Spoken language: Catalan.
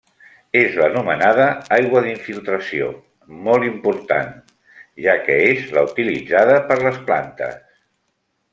És l'anomenada aigua d'infiltració, molt important, ja que és la utilitzada per les plantes.